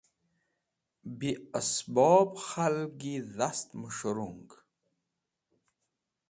Bi esbob k̃halgi dhastmẽs̃hẽrung.